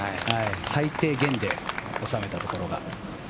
最低限で収めたところが。